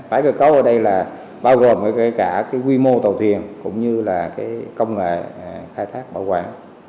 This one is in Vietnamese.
tái cơ cấu ở đây là bao gồm cả quy mô tàu thuyền cũng như là công nghệ khai thác bảo quản